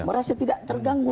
merasa tidak terganggu